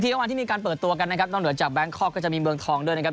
เมื่อวานที่มีการเปิดตัวกันนะครับนอกเหนือจากแบงคอกก็จะมีเมืองทองด้วยนะครับ